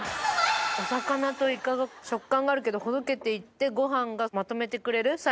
お魚とイカが食感があるけどほどけていってご飯がまとめてくれる最後に。